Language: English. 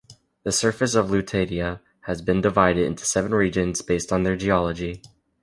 The surface of Lutetia has been divided into seven regions based on their geology.